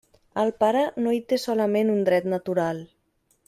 El pare no hi té solament un dret natural.